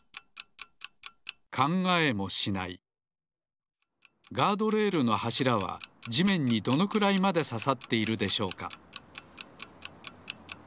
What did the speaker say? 考えもしないガードレールのはしらはじめんにどのくらいまでささっているでしょうか？